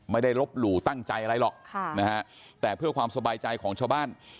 ไม่ได้ลบหลู่ตั้งใจอะไรหรอกค่ะนะฮะแต่เพื่อความสบายใจของชาวบ้าน